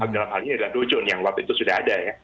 dalam hal ini adalah ducun yang uap itu sudah ada ya